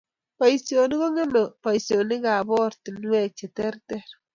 Boisionik kongemei boisietab oratinwek che terter